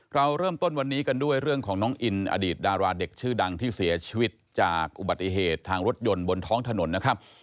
เราเริ่มต้นวันนี้กันด้วยเรื่องของน้องอินอดีตดาราเด็กชื่อดังที่เสียชีวิตจากอุบัติเหตุทางรถยนต์บนท้องถนนนะครับ